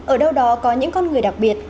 ở đâu đó có những con người đặc biệt